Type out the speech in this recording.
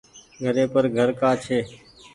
گهري پر گهر ڪآ ڇي۔